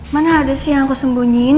mana ada sih yang aku sembunyiin